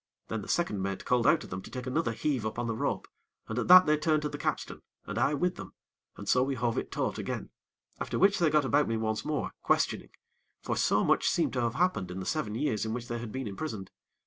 Then the second mate called out to them to take another heave upon the rope, and at that they turned to the capstan, and I with them, and so we hove it taut again, after which they got about me once more, questioning; for so much seemed to have happened in the seven years in which they had been imprisoned.